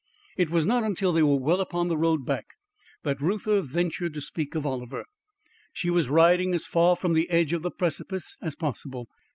It was not until they were well upon the road back that Reuther ventured to speak of Oliver. She was riding as far from the edge of the precipice as possible.